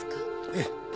ええ。